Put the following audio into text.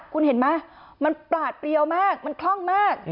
คุณเห็นไหมมันปลาดเปรียวมากมันคล่องมาก